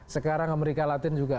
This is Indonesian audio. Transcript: sekarang amerika latin juga